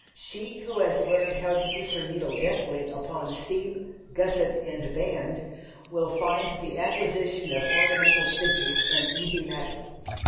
She who has learned how to use her needle deftly upon "seam, gusset and band," will find the acquisition of ornamental stitches an easy matter.